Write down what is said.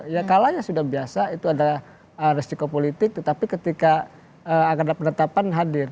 ya kalanya sudah biasa itu adalah resiko politik tetapi ketika ada penetapan hadir